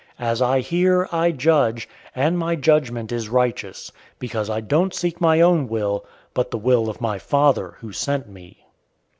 As I hear, I judge, and my judgment is righteous; because I don't seek my own will, but the will of my Father who sent me.